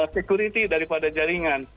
sekuriti daripada jaringan